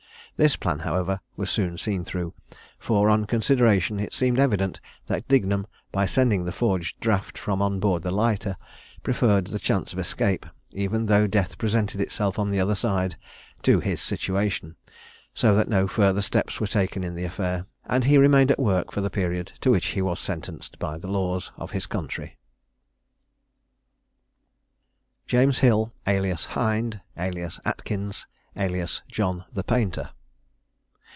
This plan, however, was soon seen through; for, on consideration, it seemed evident that Dignum, by sending the forged draft from on board the lighter, preferred the chance of escape, even though death presented itself on the other side, to his situation; so that no further steps were taken in the affair, and he remained at work for the period to which he was sentenced by the laws of his country. JAMES HILL, alias HIND, alias ATKINS, alias JOHN THE PAINTER.